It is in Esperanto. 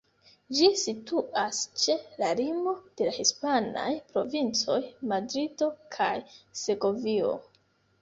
Ĝi situas ĉe la limo de la hispanaj provincoj Madrido kaj Segovio.